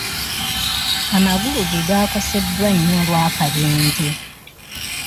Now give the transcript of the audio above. Amagulu ge gaakoseddwa nnyo olw'akabenje.